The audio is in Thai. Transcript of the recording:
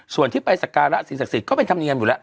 ส่วนที่ไปสการะสิ่งศักดิ์สิทธิ์เป็นธรรมเนียมอยู่แล้ว